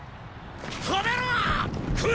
止めろォ！